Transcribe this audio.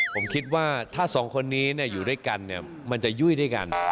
ผมคิดว่าถ้าสองคนนี้อยู่ด้วยกันมันจะยุ่ยด้วยกัน